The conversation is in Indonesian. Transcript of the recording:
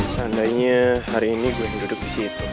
seandainya hari ini gue duduk disini